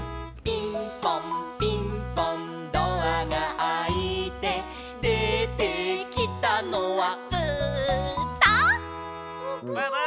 「ピンポンピンポンドアがあいて」「出てきたのは」